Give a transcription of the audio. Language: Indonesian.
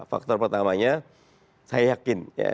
faktor pertamanya saya yakin